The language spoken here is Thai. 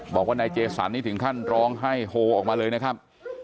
บอกว่านายเจสันนี่ถึงขั้นร้องไห้โฮออกมาเลยนะครับ